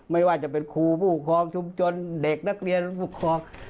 ไม่ว่าจะเป็นครูผู้ครองชุมชนเด็กนักเรียนผู้ครอง